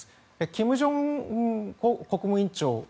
金正恩国務委員長